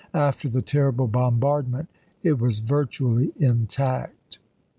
After the terrible bombardment it was virtually intact.